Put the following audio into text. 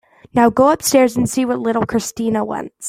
Now go upstairs and see what little Christina wants.